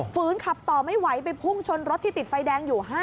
ฝืนขับต่อไม่ไหวไปพุ่งชนรถที่ติดไฟแดงอยู่๕